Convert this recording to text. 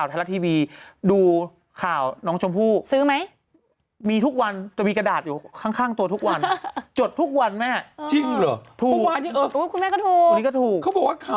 ไม่มีเลยมีเสียงพึมพำว่า